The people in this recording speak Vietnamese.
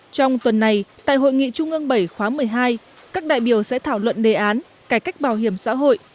trong tuần này tại hội nghị trung ương bảy khóa một mươi hai các đại biểu sẽ thảo luận đề án cải cách bảo hiểm xã hội